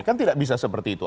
kan tidak bisa seperti itu